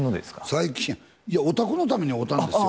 最近やおたくのために会うたんですよ